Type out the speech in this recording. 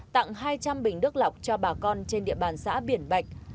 tặng hai trăm linh bình đức lọc cho bà con trên địa bàn xã biển bạch